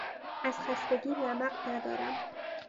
از خستگی رمق ندارم.